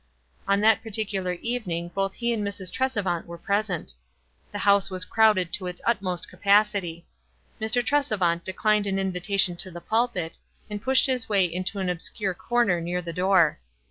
On that par ticular evening both he and Mrs. Tresevant were present. The house was crowded to its utmost capacity. Mr. Tresevant declined an invitation to the pulpit, and pushed his way into an ob scure corner near the door.